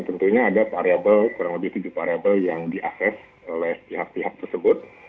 tentunya ada variable kurang lebih tujuh variable yang diakses oleh pihak pihak tersebut